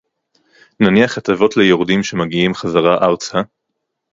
נניח הטבות ליורדים שמגיעים חזרה ארצה